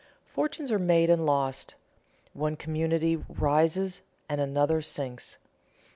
Fortunes are made and lost. One community rises and another sinks.